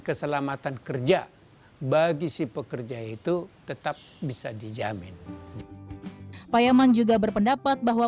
keselamatan kerja bagi si pekerja itu tetap bisa dijamin payaman juga berpendapat bahwa